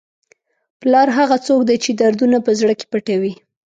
پلار هغه څوک دی چې دردونه په زړه کې پټوي.